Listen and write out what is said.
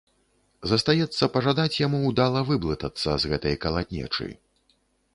Застаецца пажадаць яму ўдала выблытацца з гэтай калатнечы.